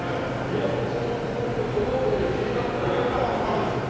よくこのここんとこ来ようという気になったディレクターがすごいですよね。